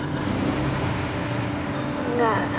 saya ingin berjumpa denganmu